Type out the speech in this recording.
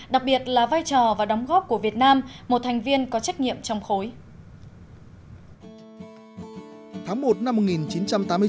đặc biệt là vai trò và đóng góp của việt nam một thành viên có trách nhiệm trong khối